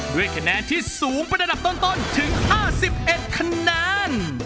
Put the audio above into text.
ด้วยคะแนนที่สูงเป็นระดับต้นถึง๕๑คะแนน